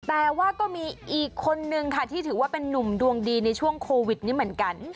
แต่ว่าก็มีอีกคนนึงค่ะที่ถือว่าเป็นนุ่มดวงดีในช่วงโควิดนี้เหมือนกัน